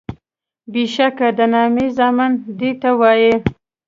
بیشکه د نامي زامن دیته وایي